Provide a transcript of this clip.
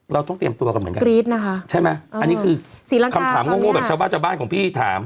เราต้องเตรียมตัวกันเหมือนกันใช่มั้ยอันนี้คือคำถามง่วงแบบชาวบ้านของพี่ถาม